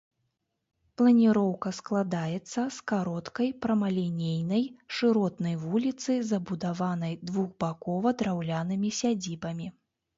Планіроўка складаецца з кароткай прамалінейнай, шыротнай вуліцы, забудаванай двухбакова драўлянымі сядзібамі.